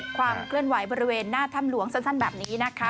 ความเคลื่อนไหวบริเวณหน้าถ้ำหลวงสั้นแบบนี้นะคะ